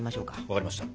分かりました。